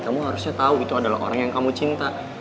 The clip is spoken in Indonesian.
kamu harusnya tahu itu adalah orang yang kamu cinta